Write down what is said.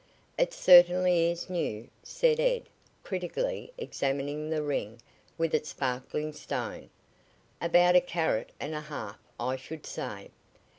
"It certainly is new," said Ed, critically examining the ring with its sparkling stone. "About a carat and a half, I should say.